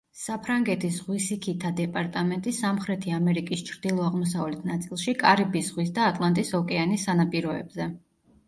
საფრანგეთის ზღვისიქითა დეპარტამენტი სამხრეთი ამერიკის ჩრდილო-აღმოსავლეთ ნაწილში, კარიბის ზღვის და ატლანტის ოკეანის სანაპიროებზე.